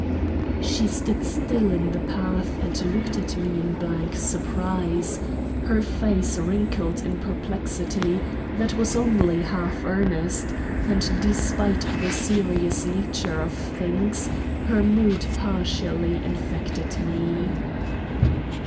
She stood still in the path and looked at me in blank surprise; her face wrinkled in perplexity that was only half earnest; and, despite the serious nature of things, her mood partially infected me.